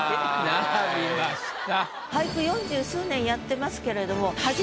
並びました。